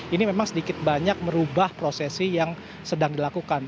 ini memang sedikit banyak merubah prosesi yang sedang dilakukan